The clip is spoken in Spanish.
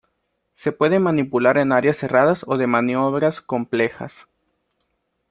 Se puede manipular en áreas cerradas o de maniobras complejas.